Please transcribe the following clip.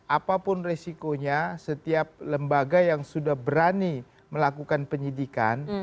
apapun resikonya setiap lembaga yang sudah berani melakukan penyidikan